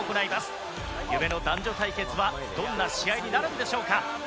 夢の男女対決はどんな試合になるんでしょうか？